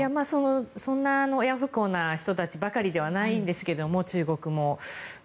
そんな親不孝な人たちばかりではないんですけれども、中国も。